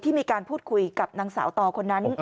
มีการพูดคุยกับนางสาวต่อคนนั้น